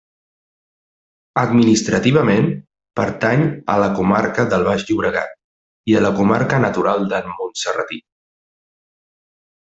Administrativament pertany a la comarca del Baix Llobregat i a la comarca natural del Montserratí.